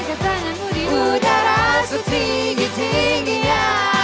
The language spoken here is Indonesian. angkat tanganmu di udara setinggi tingginya